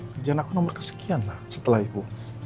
kerjaan aku nomor kesekian lah setelah ibu